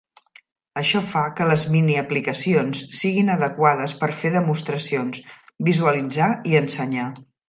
Això fa que les miniaplicacions siguin adequades per fer demostracions, visualitzar i ensenyar.